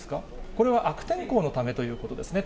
これは悪天候のためということですね。